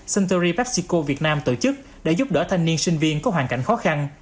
century pepsico việt nam tổ chức để giúp đỡ thanh niên sinh viên có hoàn cảnh khó khăn